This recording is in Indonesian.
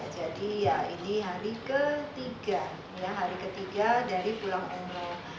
jadi ini hari ketiga dari pulang umroh